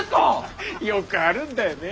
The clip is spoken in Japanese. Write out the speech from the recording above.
よくあるんだよね。